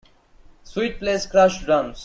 Sweet plays Crush drums.